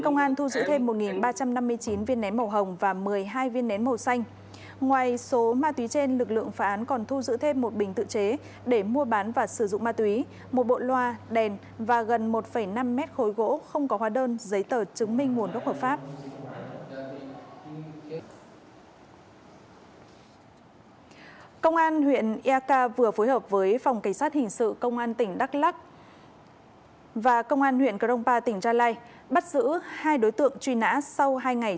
công an huyện eka tỉnh đắk lắc đã triển khai các biện pháp nhiệm vụ để xác minh và phối hợp với phòng cảnh sát hình sự công an tỉnh đắk lắc cùng công an huyện grongpa truy bắt được hai đối tượng này